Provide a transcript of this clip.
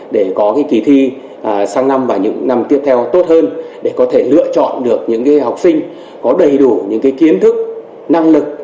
để có cái kỳ thi sáng năm và những năm tiếp theo tốt hơn để có thể lựa chọn được những cái học sinh có đầy đủ những cái kiến thức năng lực